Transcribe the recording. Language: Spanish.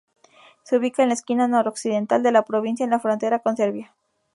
Se ubica en la esquina noroccidental de la provincia, en la frontera con Serbia.